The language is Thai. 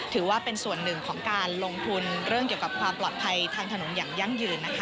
ถือว่าเป็นส่วนหนึ่งของการลงทุนเรื่องเกี่ยวกับความปลอดภัยทางถนนอย่างยั่งยืนนะคะ